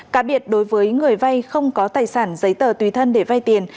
cá biệt đối với người vay không có tài sản giấy tờ tùy thân để vay tiền